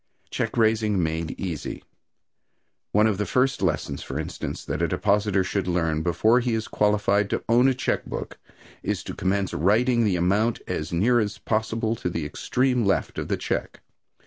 Check Raising Made Easy. One of the first lessons, for instance, that a depositor should learn before he is qualified to own a check book is to commence writing the amount as near as possible to the extreme left of the check.